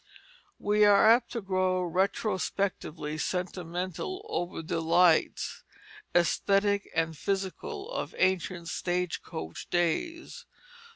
We are apt to grow retrospectively sentimental over the delights, æsthetic and physical, of ancient stage coach days.